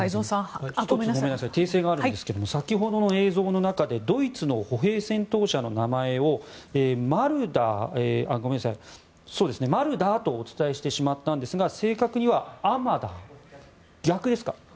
訂正があるんですが先ほどの映像の中でドイツの歩兵戦闘車の名前をマルダーとお伝えしてしまったんですが正確にはアマダー逆ですか？